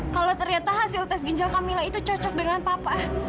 kalau ternyata hasil tes ginjal camilla itu cocok dengan papa